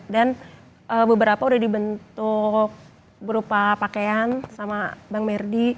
dan beberapa udah dibentuk berupa pakaian sama bang merdi